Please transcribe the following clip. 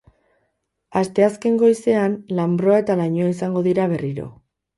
Asteazken goizean, lanbroa eta lainoa izango dira berriro.